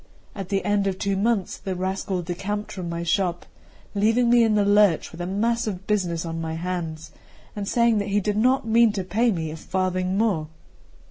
At the end of two months the rascal decamped from my shop, leaving me in the lurch with a mass of business on my hands, and saying that he did not mean to pay me a farthing more.